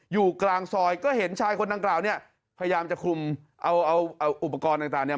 อยู่กลางซอยก็เห็นชายคนดังกล่าวเนี่ยพยายามจะคุมเอาเอาอุปกรณ์ต่างเนี่ย